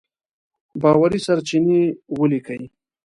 باوري سرچينې وليکئ!.